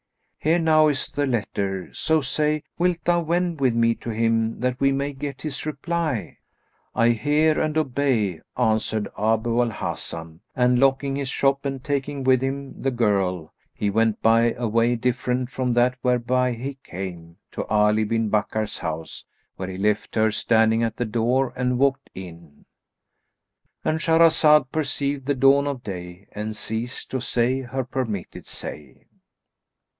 Here now is the letter, so say, wilt thou wend with me to him that we may get his reply?" "I hear and obey," answered Abu al Hasan, and locking his shop and taking with him the girl he went, by a way different from that whereby he came, to Ali bin Bakkar's house, where he left her standing at the door and walked in.—And Shahrazad perceived the dawn of day and ceased to say her permitted say.